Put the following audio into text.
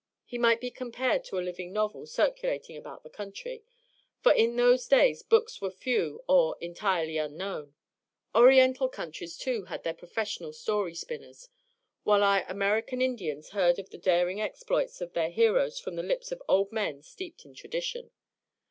He might be compared to a living novel circulating about the country, for in those days books were few or entirely unknown. Oriental countries, too, had their professional story spinners, while our American Indians heard of the daring exploits of their heroes from the lips of old men steeped in tradition.